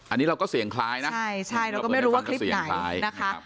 อันนี้เราก็เสียงคล้ายนะใช่ใช่เราก็ไม่รู้ว่าคลิปไหนนะคะ